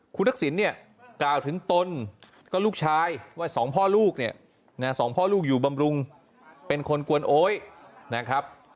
คุณทักษิณเนี่ยกล่าวถึงตนก็ลูกชายว่าสองพ่อลูกเนี่ยสองพ่อลูกอยู่บำรุงเป็นคนกวนโอ๊ยนะครับ